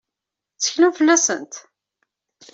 Tetteklem fell-asent?